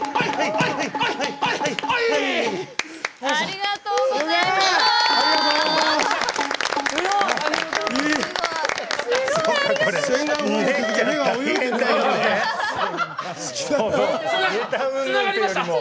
ありがとうございます。